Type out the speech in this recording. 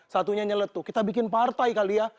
satunya nyelet tuh kita bikin partai kali ya